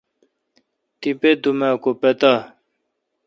تیپہ دوم اؘ کو پتا۔